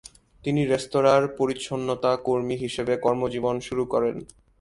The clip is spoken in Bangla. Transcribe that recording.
তিনি রেস্তোরাঁর পরিচ্ছন্নতা কর্মী হিসেবে কর্মজীবন শুরু করেন।